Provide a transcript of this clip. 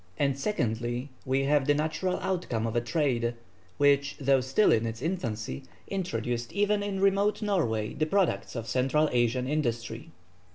and secondly, we have the natural outcome of a trade, which, though still in its infancy, introduced even in remote Norway the products of Central Asian industry.